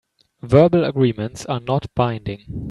Verbal agreements are not binding.